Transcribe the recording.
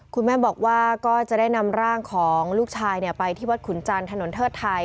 คุณแม่บอกว่าก็จะได้นำร่างของลูกชายไปที่วัดขุนจันทร์ถนนเทิดไทย